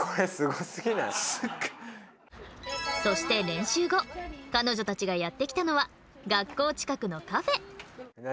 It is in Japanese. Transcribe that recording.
そして練習後彼女たちがやって来たのは学校近くのカフェ。